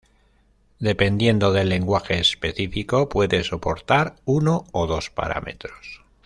Dependiendo del lenguaje específico, puede soportar uno o dos parámetros.